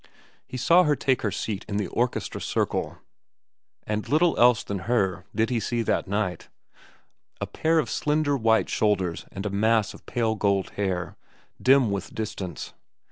He saw her take her seat in the orchestra circle, and little else than her did he see that night—a pair of slender white shoulders and a mass of pale gold hair, dim with distance.